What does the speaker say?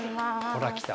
ほら来た。